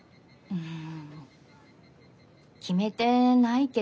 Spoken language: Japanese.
うん？